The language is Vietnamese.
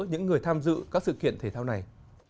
những người tham dự các sự kiện thể thao này